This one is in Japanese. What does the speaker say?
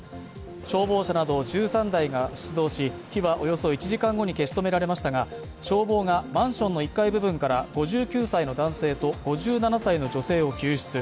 消防車など１３台が出動し、火はおよそ１時間後に消し止められましたが、消防がマンションの１階部分から５９歳の男性と５７歳の女性を救出。